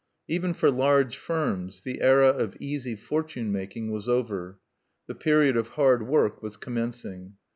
Even for large firms the era of easy fortune making was over; the period of hard work was commencing.